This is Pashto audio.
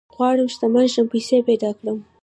غواړم شتمن شم ، پيسي پيدا کړم